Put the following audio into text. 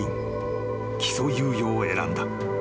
［起訴猶予を選んだ］